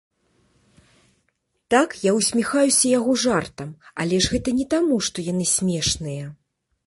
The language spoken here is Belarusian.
Так, я ўсміхаюся яго жартам, але ж гэта не таму, што яны смешныя.